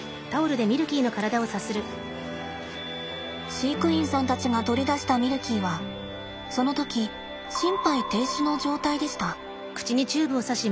飼育員さんたちが取り出したミルキーはその時心肺停止の状態でした。